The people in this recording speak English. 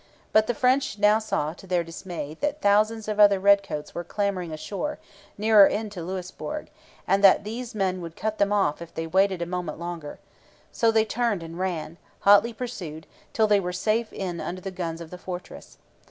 But the French now saw, to their dismay, that thousands of other redcoats were clambering ashore, nearer in to Louisbourg, and that these men would cut them off if they waited a moment longer. So they turned and ran, hotly pursued, till they were safe in under the guns of the fortress.